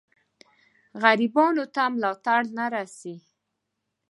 غریبانو ته ملاتړ نه رسي.